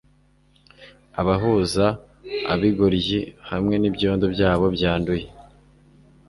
abahuza abigoryi hamwe nibyondo byabo byanduye